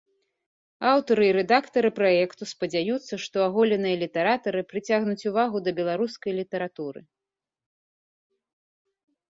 Аўтары і рэдактары праекту спадзяюцца, што аголеныя літаратары прыцягнуць увагу да беларускай літаратуры.